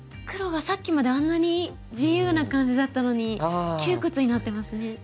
黒がさっきまであんなに自由な感じだったのに窮屈になってますね。